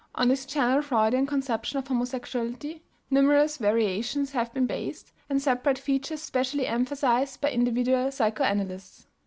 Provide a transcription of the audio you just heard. On this general Freudian conception of homosexuality numerous variations have been based, and separate features specially emphasized, by individual psychoanalysts.